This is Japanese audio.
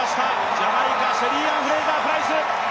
ジャマイカシェリーアン・フレイザープライス。